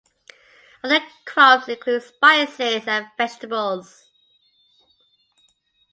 Other crops include spices and vegetables.